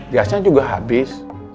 biasanya juga habis